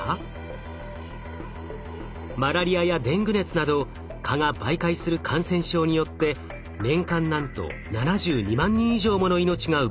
マラリアやデング熱など蚊が媒介する感染症によって年間なんと７２万人以上もの命が奪われています。